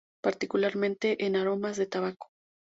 Particularmente, en aromas de tabaco.